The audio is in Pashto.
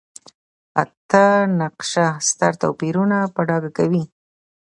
اته نقشه ستر توپیرونه په ډاګه کوي.